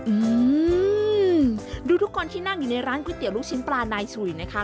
อืมดูทุกคนที่นั่งอยู่ในร้านก๋วยเตี๋ยวลูกชิ้นปลานายสุยนะคะ